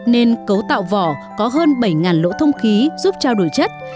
nên cấu tạo vỏ có hơn bảy lỗ thông khí giúp trao đổi chất